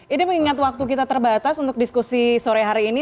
ini mengingat waktu kita terbatas untuk diskusi sore hari ini